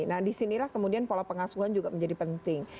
nah disinilah kemudian pola pengasuhan juga menjadi penting